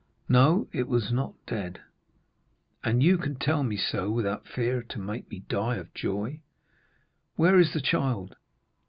"No, it was not dead." "And you can tell me so without fearing to make me die of joy? Where is the child?"